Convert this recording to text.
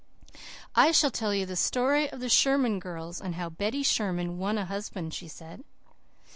"I shall tell you the story of the Sherman girls, and how Betty Sherman won a husband," she said.